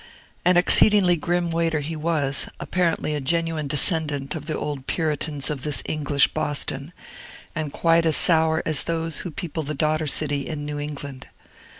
An exceedingly grim waiter he was, apparently a genuine descendant of the old Puritans of this English Boston, and quite as sour as those who people the daughter city in New England.